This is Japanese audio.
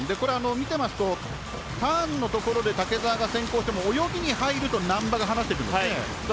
見ていますとターンのところで竹澤が先行しても泳ぎに入ると難波が離してくるんですね。